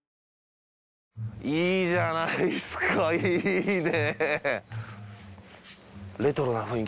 いいじゃないっすかいいね。